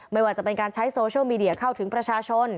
ไม่ว่าจะเป็นการใช้โซเชียลมีเดียเข้าถึงประชาชน